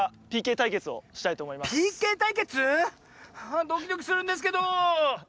ＰＫたいけつ⁉あドキドキするんですけど。